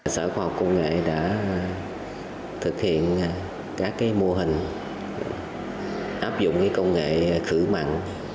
sở khoa học công nghệ đã thực hiện các mô hình áp dụng công nghệ khử mặn